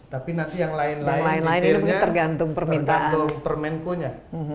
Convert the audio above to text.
tapi nanti yang lain lain tergantung permenko nya